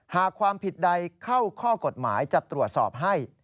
หากความผิดใดเข้าข้อกฎหมายจะตรวจสอบให้